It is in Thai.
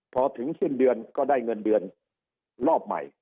พอถึงสิ้นเดือนก็ได้เงินเดือนรอบใหม่